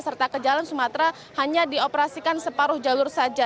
serta ke jalan sumatera hanya dioperasikan separuh jalur saja